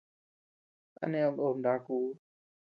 ¿A neʼéd nobe ndakuu?